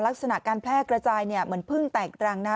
ลักษณะการแพร่กระจายเหมือนเพิ่งแตกรังนะ